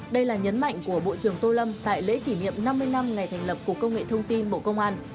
đây là nhấn mạnh của bộ trưởng tô lâm tại lễ kỷ niệm năm mươi năm ngày thành lập cục công nghệ thông tin bộ công an